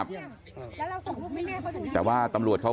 เพื่อนบ้านเจ้าหน้าที่อำรวจกู้ภัย